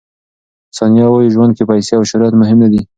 ثانیه وايي، ژوند کې پیسې او شهرت مهم نه دي.